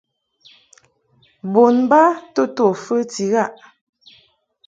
Bon ba to to fəti ghaʼ.